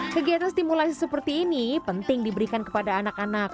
kegiatan stimulasi seperti ini penting diberikan kepada anak anak